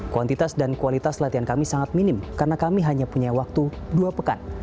kuantitas dan kualitas latihan kami sangat minim karena kami hanya punya waktu dua pekan